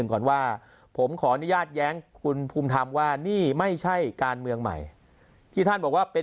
ก่อนว่าผมขออนุญาตแย้งคุณภูมิธรรมว่านี่ไม่ใช่การเมืองใหม่ที่ท่านบอกว่าเป็น